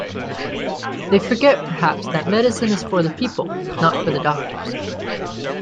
They forget perhaps that medicine is for the people, not for the doctors.